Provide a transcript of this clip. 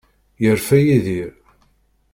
Yerfa Yidir.